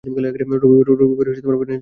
রবিবারে প্যানিনি চলবে।